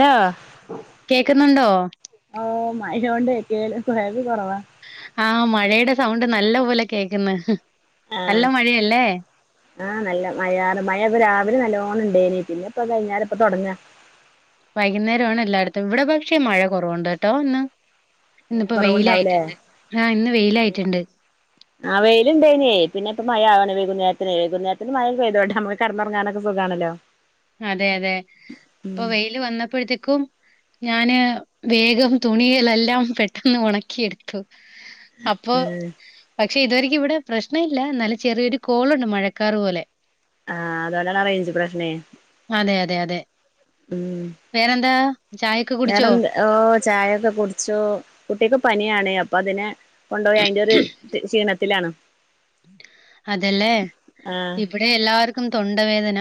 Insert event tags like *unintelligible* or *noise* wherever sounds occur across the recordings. Hello കേക്കുന്നുണ്ടോ ഓ മഴോണ്ട് കേൾ കേൾവി കുറവാ ആ മഴേടെ സൗണ്ട് നല്ല പോലെ കേക്ക്ന്ന് ആ നല്ല മഴയല്ലേ? ആ നല്ല മഴ മഴ ഇപ്പ രാവിലെ നല്ലോ ണം ഉണ്ടായിനി പിന്നെ ഇപ്പ വൈകുന്നേരം ഇപ്പ തുടങ്ങാ വൈകുന്നേരാണ് എല്ലാടത്തും ഇവിടെ പക്ഷേ മഴ കുറവുണ്ട് കേട്ടോ ഇന്ന് ഏ ഇന്നിപ്പോ കൊറവുണ്ടാവുല്ലേ വെയിലായിട്ടുണ്ട്. ആഹ് ഇന്ന് എ വെയിലായിട്ടുണ്ട്. ആ വെയില്ണ്ടയ്നേ പിന്നെ ഇപ്പ മഴ വൈകുന്നേരത്തിനേ വൈകുന്നേരത്തിന് മഴപെയ്തോട്ടെ ഞമ്മക്ക് കിന്നുറങ്ങാനൊക്കെ സുഖാണല്ലോ അതെ അതെ ഇപ്പൊ ഉം വെയില് വന്നപ്പോഴത്തേക്കും ഞാന് വേഗം തുണിയളെല്ലാം പെട്ടന്ന് ഉണക്കിയെടുത്തു അപ്പൊ ഉം പക്ഷെ ഇതുവരി ഇവിടെ പ്രശ്ന ഇല്ല എന്നാലും ചെറിയൊരു കോളുണ്ട് മഴക്കാർ പോലെ ആ അതുകൊണ്ടാണാറേഞ്ച് പ്രശ്നേ അതെ അതെ അതെ വേറന്താ വേറെന്ത്‌ ഓ ചായൊക്കെ കുടിച്ചൂ കുട്ടിക്ക് പനിയാണേ അ പതിന് കൊണ്ടുപോയി അതിന്റൊരു ഷീണം ത്തിലാണ് അതെലേ ഇവിടെ എല്ലാര്ക്കും തൊണ്ടവേദന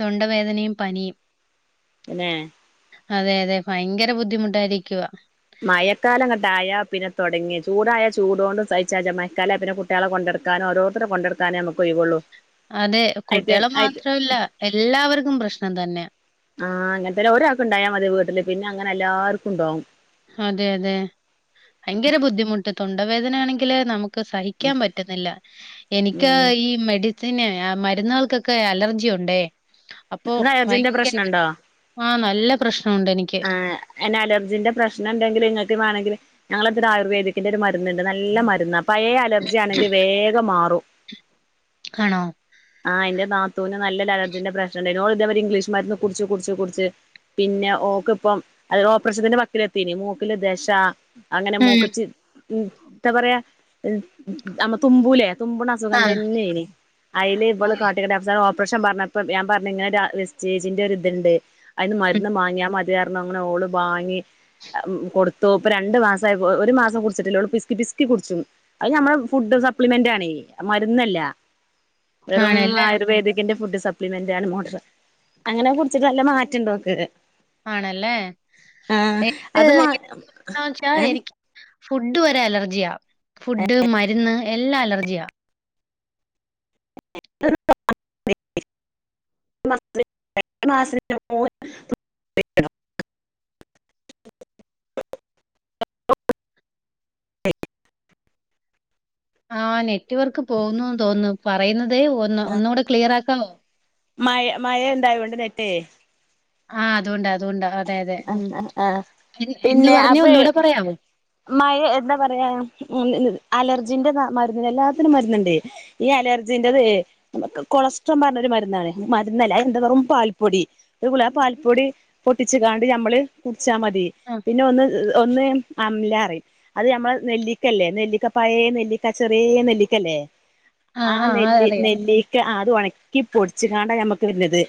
തൊണ്ടവേദനയും പനിയും തന്നെ അതെ അതെ ഭയങ്കര ബുദ്ധിമുട്ടായിരിക്കുവ മഴക്കാലങ്ങട്ടായ പിന്നെ തുടങ്ങി ചൂടായ ചൂടോണ്ട് സൈച്ചജ്ജ മയക്കാലായ പിന്നെ കുട്ടികളെ കൊണ്ടടുക്കാന ഓരോത്തരെ കൊണ്ടടുക്കാനേ നമുക്കൊയ്വൊള്ളൂ അതെ കുട്ടികളെ മാത്രല്ല എല്ലാവർക്കും പ്രശ്നം തന്നെയാ ആഹ് അങ്ങൻ തന്നെ ഒരാക് ണ്ടായാ മതി വീട്ട്ല് പിന്നങ്ങനെ എല്ലാർക്കുണ്ടാവും അതെ അതെ അയങ്കര ബുദ്ധിമുട്ട് തൊണ്ടവേദന ആണെങ്കില് നമു- ക്ക്‌ സഹിക്കാൻ പറ്റുന്നില്ല എനിക്ക് ഉം ഈ മെടി പിന്നെ മരുന്നുകൾക്കൊക്കെ അലർജി ഉണ്ടേ അപ്പൊ ഇങ്ങക്ക് അലർജിന്റെ ഭയങ്കര ബുദ്ധി ആ നല്ല പ്രശ്നമുണ്ട് എനിക്ക്. ആ എന്ന അലർജിന്റെ പ്രശ്നണ്ടെങ്കിൽ ഇങ്ങക്ക് വാണെങ്കിൽ ഞങ്ങളട്തൊരു ആയുർവേദിക്കിന്റൊരു മര്ന്ന്ണ്ട് നല്ല മര്ന്ന പയേ അലർജിയാണെങ്കിൽ വേഗം മാറും ആണോ ആഹ് എ്ന്റെ നാ ത്തൂന് നല്ലൊരലർജിന്റെ പ്രശനണ്ടായി നോൾ തേ മരി ഇംഗ്ലീഷ്മാര്ന്ന് കുട്ച്ച് കുട്ച്ച് കുട്ച്ച് പിന്നെഓ ഇപ്പം അൽ ഓപ്രേഷത്തിന്റെ വക്കിലെത്തിനി മൂക്കില് ദശ അങ്ങനെ ഉം. മൂക്കച്ച് ഉ ന്താ പറയാ നമ്മ തുമ്മുലെ തുമ്പണ അസുഖം ആഹ്. തന്നേനി അയ്ല് ബള് *unintelligible* *inaudible* ഇപ്രശം പറഞ്ഞപ്പ ഞാൻ പറഞ്ഞ ഇങ്ങനെ സ്റ്റേജിന്റെ ഒരു ഇത്ണ്ട് അയ്ന്ന് ഉം. മര്ന്ന് മാങ്ങിയാ മ *unintelligible* അങ്ങനെ ഓള് വാങ്ങി കൊടുത്തൂ ഇപ്പൊ രണ്ടു മാസായി ഒരു മാസം കുടിച്ട്ട്ല്ല ഓള് പിസ്കി പിസ്കി കുടിച്ചും അത് നമ്മെ ഫുഡ് സപ്ലിമെന്റ് ആണേ മരുന്നല്ല വെറും ആണല്ലേ? ആയുർവേദിക്കിന്റെ ഫുഡ് സ മെന്റ്ണ് മോഡർ അങ്ങനെ കുറിച്ചിട്ട് നല്ല മാറ്റംണ്ട് നോക്ക് ആണല്ലേ അത് മാ എന്താ വച്ചാ ഏ എനിക്ക് ഫുഡ് വരെ അലർജിയ ആ ഫുഡ് മരുന്ന് എല്ലാം അലർജിയാ *inaudible* ആ നെറ്റ്വർക്ക് പോകുന്നുന്ന് തോന്നുന്നു പറയുന്നതേ ഒന്ന് ഒന്നുകൂടെ ക്ലിയർ ആക്കാവോ മയ മഴ എന്തായൊണ്ട് നെറ്റേ ആഹ്, അതോണ്ട് അതോണ്ട്. അതെ, അതെ ആ ഉം ആ ആ എന്ത് പിന്നെ പറഞ്ഞേ അപ്പേ ഒന്നൂടെ പറയാവോ? മഴ എന്താ പറയാ അലർജിന്റെ മരുന്നിന് എല്ലാത്തിനും മരുന്നുണ്ടേ. ഈ അലർജിന്റെതേ കൊളസ്ട്രം പറഞ്ഞ ഒരു മരുന്നാണ്. മരുന്നല്ല എന്താ വെറും പാൽപ്പൊടി, *unintelligible* ആ പാൽപ്പൊടി പൊട്ടിച്ചുകാണ്ട് നമ്മള് കു ച്ചാ മതി. ആഹ് പിന്നെ ഒന്ന് ഒന്ന് അംല അറിം അത് ഞമ്മളെ നെല്ലിക്കല്ലേ നെല്ലിക്ക പയേ നെല്ലിക്ക ചെറ്യേ നെല്ലിക്കല്ലേ ആ ആഹ് ആഹ് നെല്ലി അതറിയാം. നെല്ലീക്ക് ആത് ഒണ ക്കി പൊടിച്ച്ങ്ങാണ്ടാ ഞമ്മക്ക് വര്ണത്.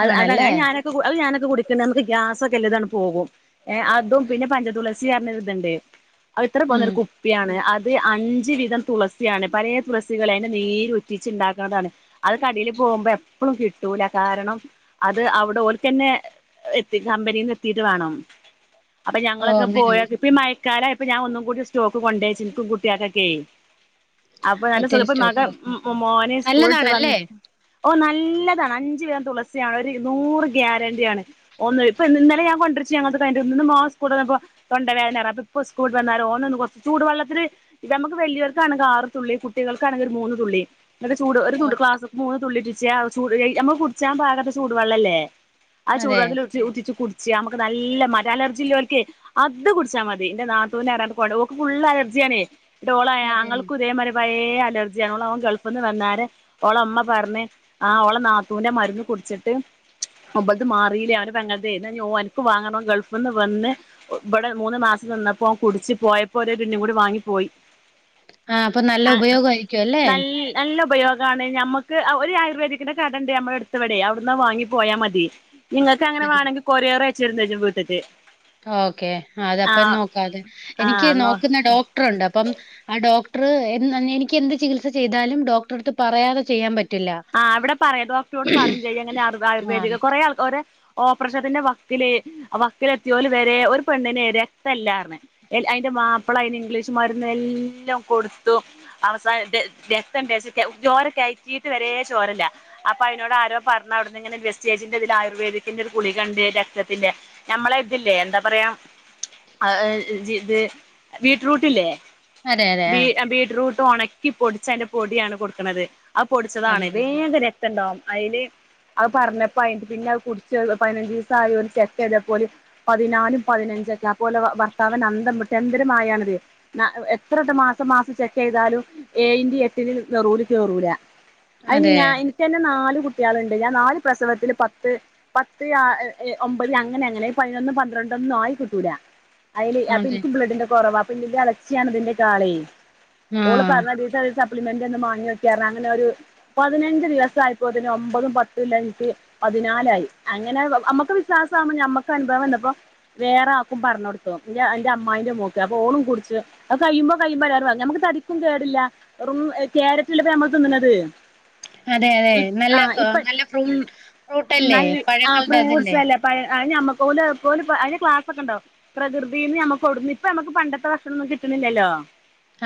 അഹ് അതങ്ങെ ആണല്ലേ? അത് ഞാനൊക്കെ അത് ഞാന ത് കുടിക്ക്ണ്ട്. നമുക്ക് ഗ്യാസൊക്കെല്ലതാണ് പോകും ഏ അതും, പിന്നെ പഞ്ചതുളസി പറഞ്ഞരുത്ണ്ട്. അത് ഇത്ര പോന്ന ഉം. ഒരു കുപ്പിയാണ്. അത് അഞ്ച് വീതം തുളസിയാണ്. പലേ തുളസികളേ അതിന്റെ നീരൊറ്റിച്ച് ഇണ്ടാക്ക്ണതാണ്. അത് കടേല് പോവുമ്പോ എപ്പളും കിട്ടൂല കാരണം അത് അവിടെ ഓൽക്കന്നെ എത്തി കമ്പനീന്ന് എത്തീട്ട് വേണം. അപ്പൊ ഓഹ് ഞങ്ങളൊക്കെ അങ്ങനെ. പോയാ ഇപ്പ മയ് ക്കാലായപ്പൊ ഞാൻ ഒന്നും കൂടി സ്റ്റോക്ക് കൊണ്ടയച്ചു ഇൻക്കും കുട്ടി യോക്കൊക്കേ. അപ്പൊ നല്ല സുഖ ഒത്തിരി ഇപ്പൊ മക സ്റ്റോക്ക്. ഉം മോന് സ്കൂള്ട്ട് വ നല്ലതാണല്ലേ? ഓന്നാ നല്ലതാണ് അഞ്ച് വീതം തുളസിയാണ് ഒരു ഇര്നൂറ് ഗ്യാരണ്ടിയാണ്. ഓന്ന് ഇപ്പ ഇന്നലെ ഞാ കൊണ്ട്രിച്ചു ഞങ്ങളത് കയ്ൻട്ട്. ഇന്ന് മോൻ സ്കൂള്ട്ട് വന്നപ്പോ തൊണ്ടവേനാറ അപ്പ ഇപ്പൊ സ്കൂള്ട്ട് വന്നാരം ഓനൊന്ന് കൊറ ചൂട് വെള്ളത്തില് നമുക്ക് വല്യോര്ക്ക് ആണെങ്കെ ആറ് തുള്ളി, കുട്ടികൾക്ക് ആണെങ്കെ ഒരു മൂന്ന് തുള്ളി. ങ്ങട്ട് ചൂട് ഒരു ചൂട് ഓഹ് ക്ലാസ്സ്‌ക്ക് മൂന്ന് തുള്ളിറ്റിച്ചാ ചൂ നമ്മ ഇ കുടിച്ചാൻ പാകത്തെ ചൂടുവെള്ളല്ലേ ആ അതെ ചൂടുവെള്ളത്തിൽ ഉറ്റി ഉറ്റിച്ചു കുടി ച്യാ നമുക്ക് നല്ല മാ അലർജി ഇല്ലോൽക്കെ അത് കുടിച്ചാ മതി ന്റെ നാത്തൂന് പറഞ്ഞ് കൊണ്ട് ഓൾക്ക് ഫുൾ അലർജിയാണെ. ഡോളു പറയാ അതെ. ആങ്ങൾക്കും ഇതേ മാതിരി പയേ പയേ അലർജി ആണ് അവൻ ഗൾഫിൽ നിന്ന് വന്നാരെ ഓളമ്മ പറഞ്ഞ് ആ ഓളെ നാത്തൂന്റെ മരുന്ന് കുടിച്ചിട്ട് ഇബൽത് മാറിയില്ലേഓന്റെ പെങ്ങള്ത് ന്നാ ഇഞ്ഞ് ഓന്ക്ക് വാങ്ങണം ഓൻ ഗൾഫ് ന്ന് വന്ന് ഇബടെ മൂന്ന് മാസം നിന്നപ്പോ ഓൻ കുടിച്ച് പോയപ്പോ ഓരോ ടിന്നും കൂടി വാങ്ങിപ്പോയി. ആഹ് അപ്പൊ നല്ല ഉപയോഗംമായിരിക്കും അല്ലേ നൽ നല്ല ഉപയോഗാണ് നമ്മുക്ക് ഒരു ആയുർവേദിക്കിന്റെ കട ഉണ്ട് നമ്മടെടുത്തവിടെ അവിടുന്ന് അത് വാങ്ങി പോയാൽ മതി നിങ്ങൾക്ക് അങ്ങനെ അതെ. വാണെങ്കിൽ കൊറിയർ അയ ച്ച് തരും ചെയ്യും ഇവിടുന്ന്. ത്തെറ്റ് ഓക്കെ അതപ്പം നോക്കാതെ. ആ എനിക്ക് ന്നോ നോക്കുന്ന ഡോക്ടറുണ്ട് അപ്പം ആ ഡോക് ഡോക്ടറ് എ എനിക്ക് എന്ത് ചികിത്സ ചെയ്താലും ഡോക്ടറെ അടുത്ത് പറയാതെ ചെയ്യാൻ പ ആ അവിടെ പറയാ, ഡോക്ടറോട് പറയും ചെയ്യാ ഇങ്ങനെ ആഹ് ആയുർവേദിക കുറെ ആളുകൾ ഓരേ. ഓപ്പറേഷത്തിന്റെ വക്കില് വക്കിലെത്തിയോല് വരെ ഒരു പെണ്ണിനെ രക്തമില്ലാന്ന്പറഞ്ഞ്. അതിന്റെ മാപ്പിള അയിന് ഇംഗ്ലീഷ് മരുന്ന് എല്ലാം കൊടുത്തു അവസാന രക്തം ടെസ്റ്റ്‌ ചോരക്കയറ്റി. വരെ ചോരല്ല. അപ്പൊ അതിനോട് ആരോ പറഞ്ഞ അവിടന്ന് ഇങ്ങനെ വെസ്റ്റേജിന്റെ ഇതിൽ ആയുർവേദിക്കിന്റെ ഒരു ഗുളികണ്ട് രക്തത്തിന്റെ നമ്മളെ ഇതില്ലേ എന്താ പറയാ *unintelligible* അത് ബീറ്റ്റൂട്ടില്ലേ. അതെ അതെ ബി ആഹ് ബീറ്റ്റൂട്ട്. ഉണക്കി പൊടിച്ച അതിന്റെ പൊടിയാണ് കൊടുക്കണത്. അതെ പൊടിച്ചതാണ് അതെ വേഗ രക്ത ഉണ്ടാവും. അതില് അത് പറഞ്ഞപ്പോ അയി പിന്നെ അത് കുടിച്ച് പതിനഞ്ച് ദിവസ ആയ ചെക്ക് ചെയ്തപ്പോെ പതിനാലും പതിനഞ്ചൊക്കെ അ പോലെ ഭർത്താവ് അന്തം വിട്ട് എന്തര് മായയാണത്. എത്ര ട്ട മാസം മാസം ചെക്ക് ചെയ്താലും ഏഴന്റെ എട്ടിന് നറൂല് കേറൂല. അയിന് അതെ ഞാൻ ഇനിക്കു തന്നെ നാല്. കുട്ടികളുണ്ട്. ഞാൻ നാല് പ്രസവത്തില് പത്ത്, പത്ത്, ഒമ്പത് അങ്ങനെ അങ്ങനെ പതിനൊന്നും പന്ത്രണ്ടൊന്നുന്നായി കൂട്ടുല്ല. അയില് അപ്പൊ എനിക്ക് ബ്ലഡിന്റെ കുറവാ *unintelligible* ഊണ് ആഹ് തരണ ദിവസം ഒന്ന് വാങ്ങിവെക്കാ അങ്ങനെ ഒരു പതിനഞ്ച് ദിവസം ആപ്പോ തന്നെ ഒമ്പതും പത്തും ഇല്ലാഞ്ഞിട്ട് പതിനാലായി. അങ്ങനെ അമ്മുക്ക് വിശ്വാസമാവുമ്പ നമ്മക്ക് അനുഭവം എന്തപ്പ വേറെ ആക്കും പറഞ്ഞ് കൊടുത്തു അന്റെ അമ്മായിന്റെ മോക്ക് അപ്പൊ ഓളും കുടിച്ച് അ കഴിയുമ്പോ കഴിയുമ്പോ നമുക്ക് തടിക്കും കേടില്ല. റു ക്യാരറ്റള്ളപ്പോ നമ്മക്ക് തിന്നത്. അതെ അതെ നല്ല നല്ല ഫ്രൂ ഫ്രൂട്ട്ല്ലേ നല്ല പഴങ്ങളുടെ അതല്ലേ. ആ ഞമ്മക്ക് പോല അതുപോല് അതിന് ക്ലാസൊക്കെ ഉണ്ടോ പ്രകൃതിന്ന് നമ്മക്കെവിടുന്ന് ഇപ്പൊ നമുക്ക് പണ്ടത്തെ ഭക്ഷണമൊന്നും കിട്ടുന്നില്ലല്ലോ.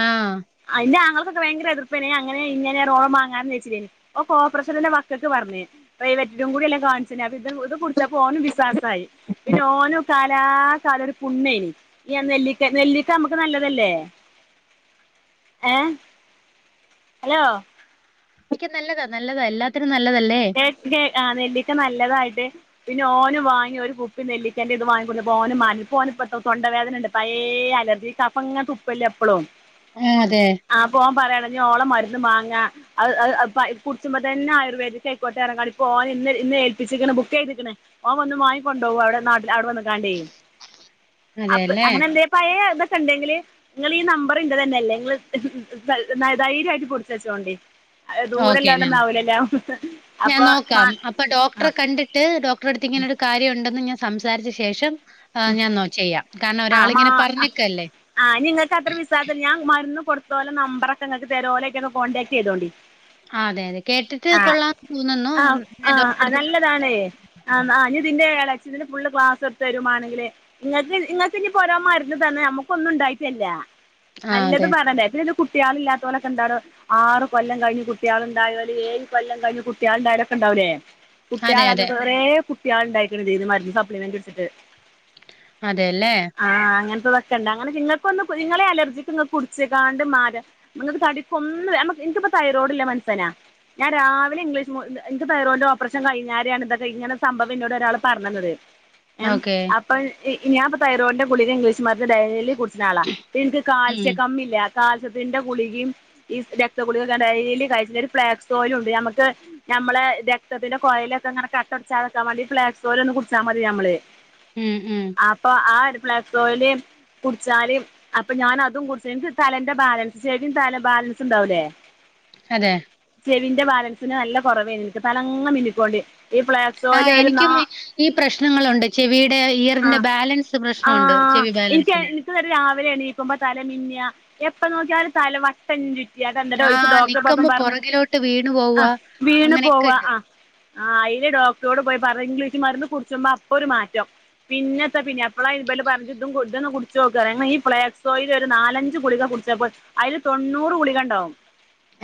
ആഹ് അയിന്റെ ആള് ഭയങ്കര എതിർപ്പ് തന്നെ അങ്ങനെ ഇങ്ങനെറോൾ മാറി എന്നുവെച്ചു കൊപ്രസിഡന്റിന്റെ മക്കക്ക് പറഞ്ഞു പ്രൈവറ്റിലും കൂടിയല്ലേ കാണിച്ചു അപ്പൊ പ്പോ ഓനും വിശ്വാസായി പിന്നെ ഓനും.. കാലാ കാല ഒരു പുണ്ണ്യാ ഈ നെല്ലിക്ക നെല്ലിക്ക നമുക്ക് നല്ലതല്ലേ ഏ ഹലോ.. നെല്ലിക്ക നല്ലതാ നല്ലതാ എല്ലാത്തിനും. നല്ലതല്ലേ ആ നെല്ലിക്ക നല്ലതായിട്ട്. പിന്നെ ഓന് വാങ്ങി ഒരു കുപ്പി നെല്ലിക്കേണ്ട ഇത് വാങ്ങിക്ക ഓന് മന ന്പ്പ തൊണ്ട വേദന ഉണ്ട് പഴെ അലർജി കഫംങ്ങ തുപ്പല്ല എപ്പോഴും. ആഹ് അതെ ആ പോവാൻ പറയണ ഞൻ ഓള മരു വാങ്ങ അത് കുടിച്ചുമ്പോ തന്നെ ആയുർവേദ ഓൻ ഇന്ന് ഏൽപ്പിച്ചിരിക്കണേ ബുക്ക്‌ ചെയ്തേക്കണേ ഓൻ വന്നു വാങ്കൊണ്ടുപോകും അവിടെ നാട്ടിലെ വന്നുനിക്കണ്ടേ അപ്പൊ അതെല്ലേ അങ്ങനെ എന്ത പഴെ എന്തൊക്കെ ഉണ്ടെങ്കില് നിങ്ങ ഈ നമ്പർ ഇന്റെ തന്നെ അല്ലെ. *unintelligible* ധൈര്യമായിട്ട് കൊടുത്ത് വച്ചോണ്ടേ. അ ദൂരെ ഓക്കെ ഒന്നും ഞാൻ ആവിലല്ലോ. ഞാൻ നോക്കാം അപ്പൊ ഡോക്ടറെ കണ്ടിട്ട് ഡോക്ടറെ അടുത്ത് ഇങ്ങനൊ ഒരു കാര്യണ്ട്. ന്ന് ഞാൻ സംസാരിച്ച ശേഷം ആഹ് ഞാൻ നോ ചെയ്യാം കാരണം ആ ഒരാളിങ്ങനെ ഹാഅ പറഞ്ഞിക്കല്ലേ ആ നിങ്ങൾക്ക് അത്ര വിസ്വസല്യ ഞാൻ മരുന്ന് കൊടുത് ലെ നമ്പറൊക്കെ ങ്ങക്ക് തര ഓലെറ്റൊക്കെ കോണ്ടാക്ട് ചെയ്തോണ്ടി ആ അതെ അതെ കേട്ടിട്ട് ആ കൊള്ളാന്ന് തോന്നുന്നു ആ ഞാൻ ആ ആ ഡോക്ടറെട്തൊന്ന് സംസാരി ച്ച് തിന് ഫുള്ള് ക്ലാസ് എടുത്തുതരും മാണെങ്കില് ഇങ്ങക്ക് ഇങ്ങക്ക് ഇനി ഓരോ മരുന്ന് തന്ന നമുക്ക് ഒന്നും ഉണ്ടായിട്ടല്ല ആഹ് നല്ലത് അതെ പറെണ്ടെ പിന്നെ ലു കുട്ടികളില്ലാത്തോലൊക്കെ എന്താണ് ആറ് കൊല്ലം കഴിഞ്ഞ് കുട്ടികളുണ്ടായോൽ ഏഴ് കൊല്ലം കഴിഞ്ഞ് കുട്ട്യാൾ ഉണ്ടായോരൊക്കെ ഉണ്ടാവില്ലേ കുട്ട്യാൾ അതെ അത് അതെ കേറെ ക ട്ട്യാൾക്ണ് മരുന്ന് സപ്ലിമെന്റ് കുടിച്ചിട്ട് അതെയല്ലേ വക്കണ്ട അങ്ങനെ നിങ്ങൾക്കൊന്ന് നിങ്ങളെ അലർജിക്ക് കുടിച്ച്ങ്ങാണ്ട്മാരാം നിങ്ങക്ക് തടിക്കൊന്നും നിക്പ്പൊ തൈറോയിഡ്ള്ള മൻസനാ ഞാൻ രാവിലെ ഇംഗ്ലീഷ് ൻക്ക് തൈറോൻന്റെ ഓപ്പറേഷൻ കഴിഞ്ഞാ രെയാണ് ഇതൊക്കെ ഇങ്ങനെ സംഭവം എന്നോട് ഒരാള് പറഞ്ഞ് തന്നത് എം ഓക്കെ അപിൾ ഇ ഞാപ തൈറോയിടിന്റെ ഗുളിക ഇംഗ്ലീഷ് മരുന്ന് ഡെയിലി കുട് ലാള ൻക്ക് കാൽസ്യ ഉം കമ്മില്ല കാൽസ്യത്തിന്റെ ഗുളികിം ഈ രക്തഗുളികൊക്കെഞാൻ ഡെയിലി കഴിച്ചിര്ന്ന് ഒരു ഫ്ലാക്സ് സ്ഓയിലും ണ്ട് നമ്മക്ക് നമ്മളെ രക്തത്തിന്റെ കുഴലൊക്കെ ഇങ്ങനെ കട്ടപുടിക്കാതെ നിക്കാൻ വേണ്ടി ഈ ഫ്ളക്സ്വയിൽ ഒന്ന് കുടിച്ച മതി നമ്മള് ഉം ഉം അപ്പൊ ആട് ഫ്ളക്സ്വയിൽ കുടിച്ചാല് അപ്പൊ ഞാൻ അതും കുടിച് നിക് തലന്റെ ബാലൻസ് ചെവിയും തല ബാലൻസ് ഉണ്ടാവൂല്ലേ അതെ ചെവിന്റെ ബാലൻസിന് നല്ല കുറവേ നിക്ക് തലങ്ങനെ മിന്നിക്കോണ്ട് ഈ ഫ്ലാക്സ് ആ് ഓയില് ഒരു നാ എനിക്കും ഈ പ്രശ്നങ്ങളുണ്ട് ചെവിയുടെ ആ ഇയറിന്റെ ബാലൻസ് പ്രശ്നമുണ്ട് ചെവി ബാലൻസിന് എണീക്കുമ്പ തല മിന്ന എപ്പ നോക്കിയാലും തല വട്ട ചുറ്റ് റ്റ ആ അതെന്നോട്ടെരീസം ഡോക്ടറെട്ത് പോയപ്പം നിക്കുമ്പോ പറഞ് പുറകിലോട്ട് വീണു ആ പോവുക വീണ് അങ്ങനെയൊക്കെ പോവാ ഉണ്ട് ആ ആ അയിന് ഡോക്ടറോട് പോയി പറ ഇംഗ്ലീഷുമര്ന്ന് കുടിച്മ്പോ അപ്പൊ ഒരു മാറ്റം പിന്നെത്തെ പിന്നെ അപ്പളാ പറഞ്ഞത് ഇതും കുടിച്ചോക്ക്ന്ന് അങ്ങനെ ഈ ഫ്ലാക്സോയിൽ ഒരു നാലഞ്ച് ഗുളിക കുടിച്ചപ്പോ അതില് തൊണ്ണൂറ്ഗുളികണ്ടാവും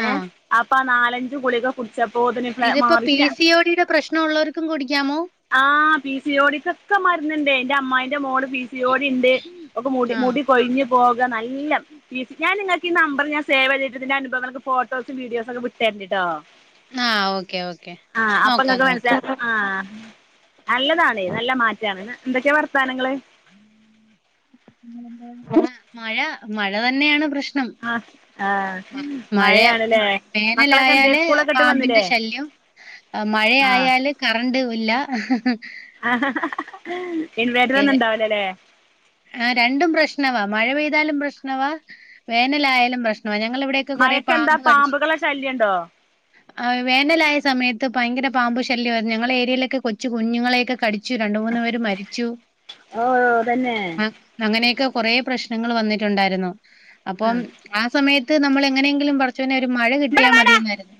ഏ ആ അപ് നാലഞ്ചു ഗളിക കുടി ച്ചപ്പോതെ തിന് ഇതിപ്പോ പി മാറിപിന്നെ സി ഒ ഡിയുടെ പ്രശ്നം ഉള്ളവർക്കും കുടിക്കാമോ ആ പിസിയോടിക്കൊക്കെ മരുന്നുണ്ടേന് ന്റെ അമ്മായിന്റെ മോള് പിസിയോടിണ്ട് ഓൾക് ആ മുടി കൊഴിഞ് പോക നല്ലം ഞാൻ നിങ്ങൾകി നമ്പർ ഞാൻ സേവ് ചെയ്തിട്ടതിന്റെ അനുഭവങ്ങൾക്ക് ഫോട്ടോസും വീഡിയോസും ക്കെ വിട്ടേരണ്ടിട്ടോ ആ ഓക്കെ ഓക്കെ ആ നോക്കാം അപ്പൊങ്ങക്ക് മനസല നോക്കാം ആ നല്ലതാണ് നല്ല മാറ്റവാണ് എന്തൊക്കെയാ വർത്താനങ്ങള് മഴ മഴ തന്നെയാണ് പ്രശ്നം ആ ആ മഴ മഴയാണല്ലേ മക്കളൊക്കെ എന്തെ വേനലായാല് സ്കൂളൊക്കെ വിട്ട് പാമ്പിന്റെ വന്നില്ലേ ശല്യം, ആ മഴയായാല് കറണ്ട് ഇല്ല ഹ് ഹ് ഹ് ആഹഹഹഹ *unintelligible* ആ രണ്ടും പ്രശ്നവാ മഴ പെയ് താലും പ്രശ്നവാ വേനലായാലും പ്രശ് മയക്കെന്താ പാമ്പുകളെ ശല്യം ഉണ്ടോ ആഹ് വേനലായ സമയത്ത് ഭയങ്കര പാമ്പ് ശല്യായിരുന്നു ഞങ്ങളാ ഏരിയയിലൊക്കെ കൊച്ചു കുഞ്ഞുങ്ങളെക്കെ കടിച്ചു രണ്ട് മൂന്ന് പേര് മരി ച്ചു ഓ ഓ തന്നെ കുറേ പ്രശ്നങ്ങള് വന്നിട്ടുണ്ടായിരുന്നു. അപ്പം ആ സമയ ത്ത് നമ്മൾ എങ്ങനെങ്കിലും പറിച്ച് എങ്ങനേം ഒരു മഴ ഇവിടെ കിട്ടിയാൽ വാടാ മതിന്നായിരുന്നു.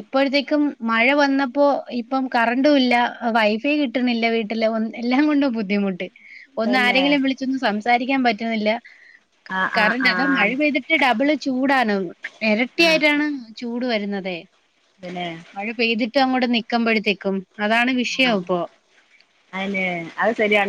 ഇപ്പോഴത്തേക്കും മഴ വന്നപ്പോ ഇപ്പം കറണ്ടൂവില്ല, വൈഫൈ കിട്ടുന്നില്ല വീട്ടില് ഒന്ന് എല്ലാം കൊണ്ടും ബുദ്ധിമുട്ട് ഒന്ന് തന്നെ ആരെങ്കിലും വിളിച്ചൊന്ന് സം സാരിക്കാൻ പറ്റുന്നില്ല. ആ ആ കറന്റ് ആ അതാ മഴ പെയ്തിട്ട് ഡബിള് ചൂടാണ്. ആ ഇരട്ടിയായിട്ടാണ് ചൂട് വരു ന്നതേ പിന്നെ മഴ പെയ്തി ട്ട് അങ്ങൊട് നിക്കമ്പഴുതേക്കും അതാണ് ആ വിഷയം അപ്പൊ അതിന് അത് ശരിയാണ്